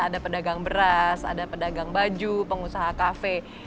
ada pedagang beras ada pedagang baju pengusaha kafe